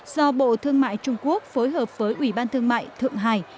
do bộ thương mại trung quốc phối hợp với ủy ban thương mại thượng hải